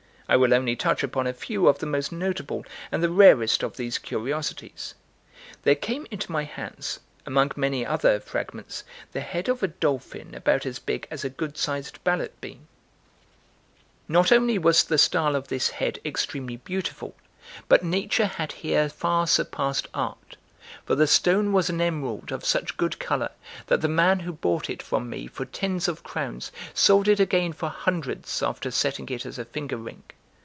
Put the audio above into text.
I will only touch upon a few of the most notable and the rarest of these curiosities. There came into my hands, among many other fragments, the head of a dolphin about as big as a good sized ballot bean. Not only was the style of this head extremely beautiful, but nature had here far surpassed art; for the stone was an emerald of such good colour, that the man who bought it from me for tens of crowns sold it again for hundreds after setting it as a finger ring.